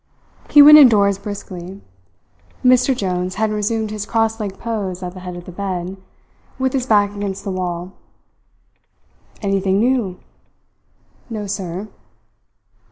He went indoors briskly. Mr. Jones had resumed his cross legged pose at the head of the bed, with his back against the wall. "Anything new?" "No, sir."